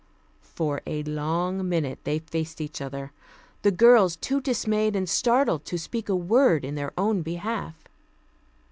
For a long minute they faced each other, the girls too dismayed and startled to speak a word in their own behalf.